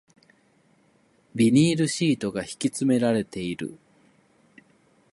ビニールシートが敷き詰められている